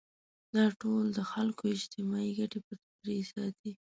دا ټول د خلکو اجتماعي ګټې پرې ساتي.